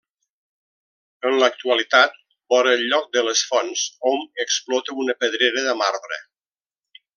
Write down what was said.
En l'actualitat, vora el lloc de les Fonts hom explota una pedrera de marbre.